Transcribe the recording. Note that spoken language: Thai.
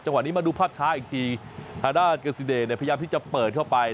จังหวะนี้มาดูพัดช้าอีกทีทะดาสกัสซีเดสพยายามที่จะเปิดเข้าไป